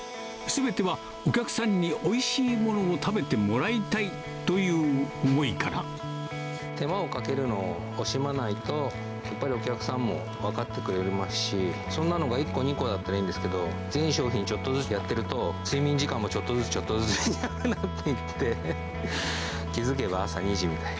すべてはお客さんにおいしいものを食べてもらいたいという思いか手間をかけるのを惜しまないと、やっぱりお客さんも分かってくれますし、そんなのが１個、２個だったらいいんですけど、全商品ちょっとずつやってると、睡眠時間もちょっとずつ、ちょっとずつなくなっていって。